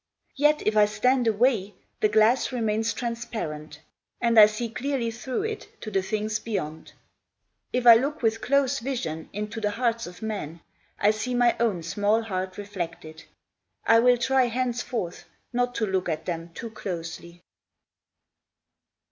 Yet if I stand away, the glass remains transparent, And I see clearly through it to the things beyond. If I look with close vision Into the hearts of men, I see my own small heart reflected. I will try henceforth not to look at them too closely.